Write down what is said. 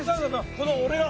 この俺が！